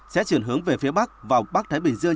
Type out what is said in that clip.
sẽ chuyển hướng về phía bắc vào bắc thái bình dương